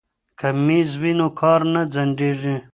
که میز وي نو کار نه ځنډیږي.